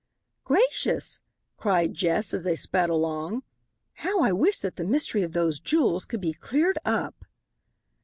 "Gracious," cried Jess, as they sped along, "how I wish that the mystery of those jewels could be cleared up."